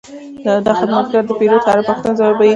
دا خدمتګر د پیرود هره پوښتنه ځوابوي.